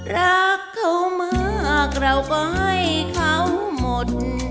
รักเขามากเราก็ให้เขาหมด